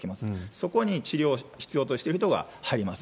そこに治療必要としてる人が入ります。